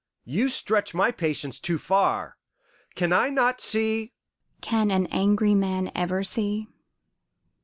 You stretch my patience too far. Can I not see " "Can an angry man ever see?